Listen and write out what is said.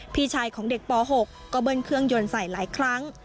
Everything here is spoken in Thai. พี่ชายของเด็กป๖ก็เบิ้ลเครื่องยนต์ใส่หลายครั้ง